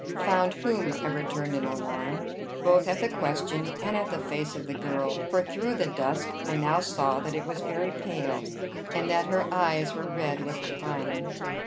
"Found whom?" I returned in alarm, both at the question and at the face of the girl; for through the dusk I now saw that it was very pale, and that her eyes were red with crying.